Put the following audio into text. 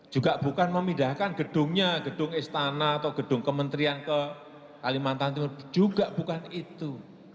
juga bukan memindahkan gedungnya gedung istana atau gedung kementerian ke kalimantan timur juga bukan itu